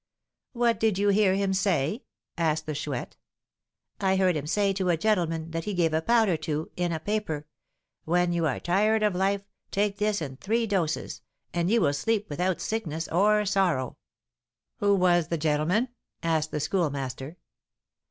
"What did you hear him say?" asked the Chouette. "I heard him say to a gentleman that he gave a powder to, in a paper, 'When you are tired of life, take this in three doses, and you will sleep without sickness or sorrow.'" "Who was the gentleman?" asked the Schoolmaster.